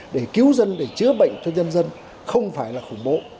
để cứu dân để chữa bệnh cho nhân dân không phải là khủng bố